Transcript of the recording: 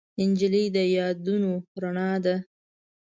نجلۍ د یادونو رڼا ده.